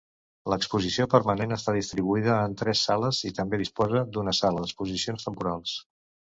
L'exposició permanent està distribuïda en tres sales i també disposa d'una sala d'exposicions temporals.